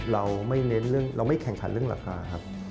เราไม่แข่งขันเรื่องราคาครับ